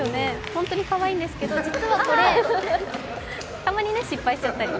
ホントにかわいいんですけど、実はこれたまに失敗しちゃったり。